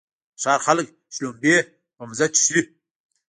د ښار خلک شړومبې په مزه څښي.